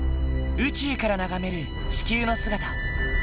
宇宙から眺める地球の姿。